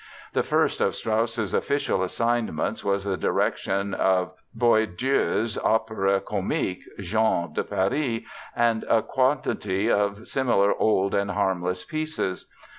The first of Strauss's official assignments was the direction of Boieldieu's opéra comique, Jean de Paris, and a quantity of similar old and harmless pieces.